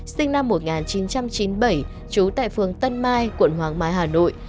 sinh năm một nghìn chín trăm chín mươi bảy trú tại phường tân mai quận hoàng mai hà nội